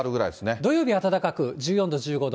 土曜日暖かく、１４度、１５度。